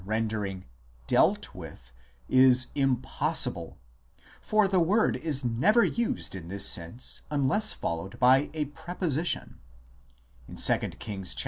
rendering " dealt with " is impossible, for the word is never used in this sense unless followed by a pre position ; in 2 Kings xxi.